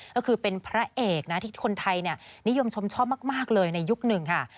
ก็คือเป็นพระเอกนะที่คนไทยนิยมชมชอบมากเลยในยุคหนึ่งค่ะ